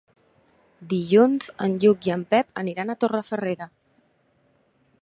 Dilluns en Lluc i en Pep aniran a Torrefarrera.